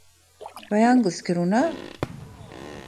Vai angliski runā?